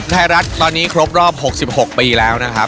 ไทยรัฐตอนนี้ครบรอบ๖๖ปีแล้วนะครับ